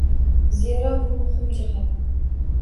Zero bu muhim jihat